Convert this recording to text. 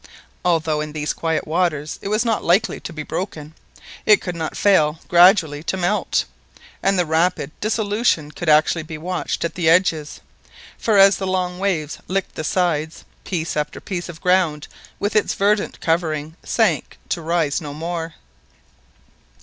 Although in these quiet waters it was not likely to be broken, it could not fail gradually to melt, and the rapid dissolution could actually be watched at the edges, for as the long waves licked the sides, piece after piece of ground with its verdant covering sank to rise no more.